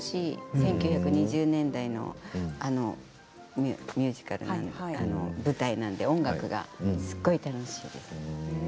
１９２０年代のミュージカルなので舞台なので音楽がすごい楽しい。